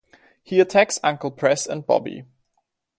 He attacks Uncle Press and Bobby.